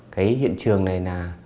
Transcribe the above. cái hiện trường này